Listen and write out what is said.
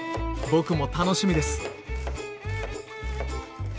僕も楽しみです！